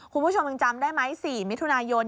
คุณผู้ชมยังจำได้ไหม๔มิถุนายน